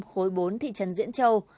khối bốn thị trấn diễn châu